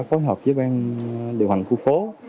phối hợp với ban điều hành khu phố